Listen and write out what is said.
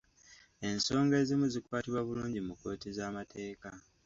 Ensonga ezimu zikwatibwa bulungi mu kkooti z'amateeka.